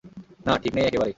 না, ঠিক নেই একেবারেই।